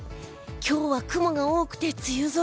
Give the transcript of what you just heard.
今日は雲が多くて梅雨空。